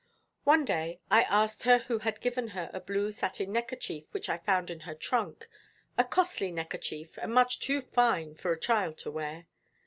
One day I asked her who had given her a blue satin neckerchief which I found in her trunk a costly neckerchief, and much too fine for a child to wear.